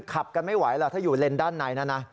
ขับกันไม่ไหวหรอกถ้าอยู่เลนด้านในนะนะ